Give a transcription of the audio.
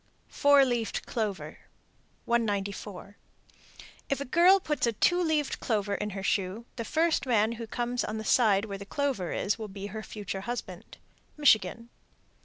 _ FOUR LEAVED CLOVER. 194. If a girl puts a two leaved clover in her shoe, the first man who comes on the side where the clover is will be her future husband. _Michigan.